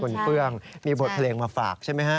คุณเฟื้องมีบทเพลงมาฝากใช่ไหมฮะ